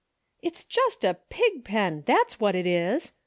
It's just a pigpen ! That's what it is